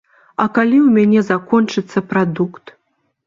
А калі ў мяне закончыцца прадукт?